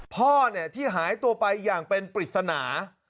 พ่อที่หายตัวไปอย่างเป็นปริศนา